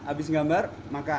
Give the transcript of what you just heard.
habis gambar makan